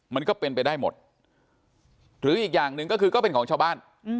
มันก็เป็นไปได้หมดหรืออีกอย่างหนึ่งก็คือก็เป็นของชาวบ้าน